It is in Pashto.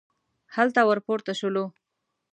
هلته ور پورته شولو.